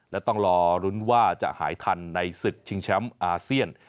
และต้องรอลุ้นว่าจะหายทันในศึกชิงแชมป์อาเซียน